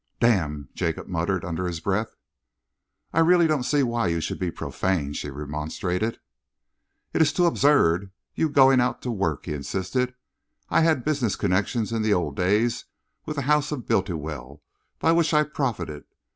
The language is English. "Damn!" Jacob muttered, under his breath. "I really don't see why you should be profane," she remonstrated. "It's too absurd, your going out to work," he insisted. "I had business connections in the old days with the house of Bultiwell, by which I profited.